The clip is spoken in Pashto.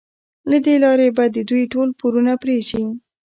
له دې لارې به د دوی ټول پورونه پرې شي.